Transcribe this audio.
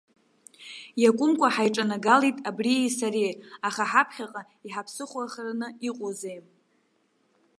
Иакәымкәа ҳаиҿанагалеит абрии сареи, аха ҳаԥхьаҟа иҳаԥсыхәахараны иҟоузеи?